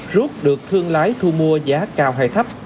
rút được thương lái thu mua giá cao hay thấp